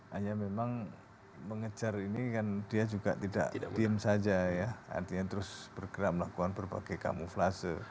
hanya memang mengejar ini kan dia juga tidak diem saja ya artinya terus bergerak melakukan berbagai kamuflase